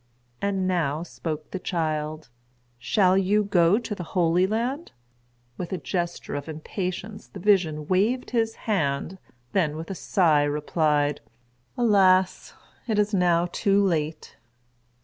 And now spoke the child: "Shall you go to the Holy Land?" With a gesture of impatience the vision waved his hand, then with a sigh replied, "Alas! it is now too late."